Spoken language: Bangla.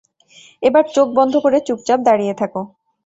এবার চোখ বন্ধ করে চুপচাপ দাঁড়িয়ে থাকো।